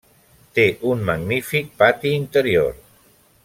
Té un magnífic pati interior.